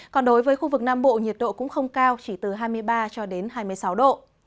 còn đối với khu vực nam bộ nhiệt độ cũng không cao chỉ từ hai mươi ba cho đến hai mươi sáu độ